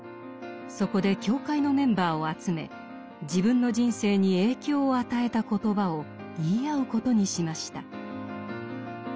そこで教会のメンバーを集め自分の人生に影響を与えた言葉を言い合うことにしました。